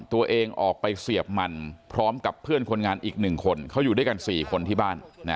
ตัวเองออกไปเสียบมันพร้อมกับเพื่อนคนงานอีก๑คนเขาอยู่ด้วยกัน๔คนที่บ้าน